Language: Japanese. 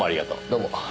どうも。